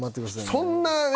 そんなね